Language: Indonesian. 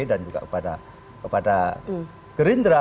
dan juga kepada gerindra